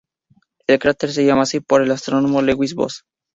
El cráter se llama así por el astrónomo Lewis Boss.